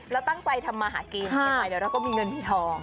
เราตั้งใจทำมาหากินไม่ไปแล้วเราก็มีเงินพี่ทอง